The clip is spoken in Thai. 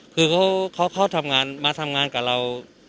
คือเขาทำงานมาทำงานกับเรา